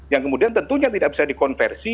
yang kemudian tentunya tidak bisa dikonversi